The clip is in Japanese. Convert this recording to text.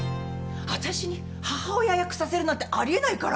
私に母親役させるなんてありえないから。